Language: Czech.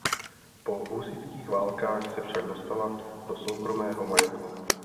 Po husitských válkách se však dostala do soukromého majetku.